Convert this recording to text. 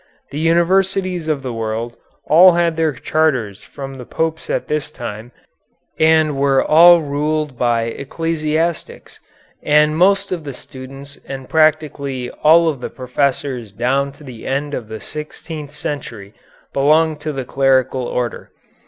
The universities of the world all had their charters from the Popes at this time, and were all ruled by ecclesiastics, and most of the students and practically all of the professors down to the end of the sixteenth century belonged to the clerical order.